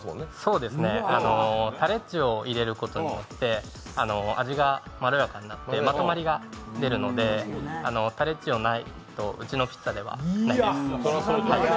そうですね、タレッジオを入れることによって味がまろやかになって、まとまりが出るので、タレッジオないとうちのピッツァではないです。